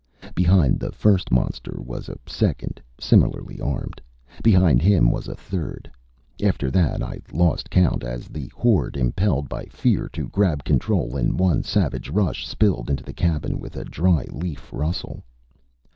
Behind the first monster was a second, similarly armed. Behind him was a third. After that I lost count, as the horde, impelled by fear to grab control in one savage rush, spilled into the cabin with a dry leaf rustle.